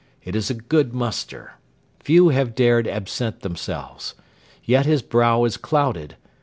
It is a good muster. Few have dared absent themselves. Yet his brow is clouded.